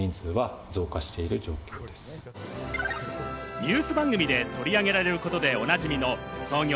ニュース番組で取り上げられることでおなじみの創業